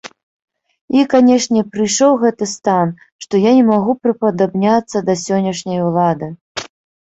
І, канешне, прыйшоў гэты стан, што я не магу прыпадабняцца да сённяшняй улады.